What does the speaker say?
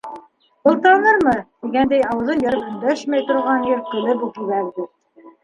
Был танырмы, тигәндәй, ауыҙын йырып өндәшмәй торған ир көлөп үк ебәрҙе: